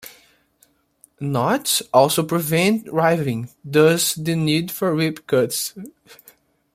Knots also prevent riving thus the need for rip cuts.